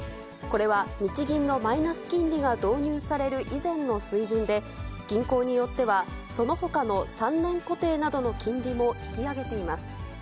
これは、日銀のマイナス金利が導入される以前の水準で、銀行によっては、そのほかの３年固定などの金利も引き上げています。